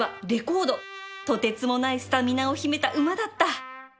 とてつもないスタミナを秘めた馬だった